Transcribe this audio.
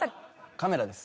カメラです。